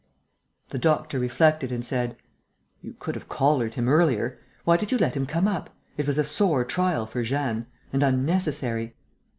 The doctor reflected and said: "You could have collared him earlier. Why did you let him come up? It was a sore trial for Jeanne ... and unnecessary."